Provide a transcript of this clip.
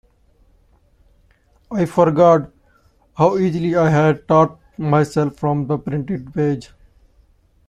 I forgot how easily I had taught myself from the printed page.